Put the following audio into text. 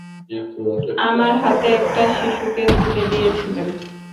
আমার হাতে একটা শিশুকে তুলে দিয়েছিলেন।